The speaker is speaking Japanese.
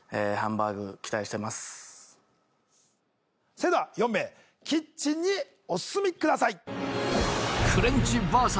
それでは４名キッチンにお進みください